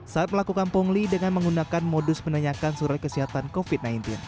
saat melakukan pungli dengan menggunakan modus menanyakan surat kesehatan covid sembilan belas